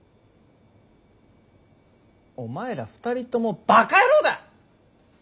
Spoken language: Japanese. お前ら２人ともバカ野郎だ。